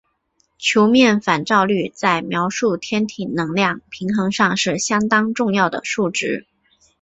球面反照率在描述天体能量平衡上是相当重要的数值。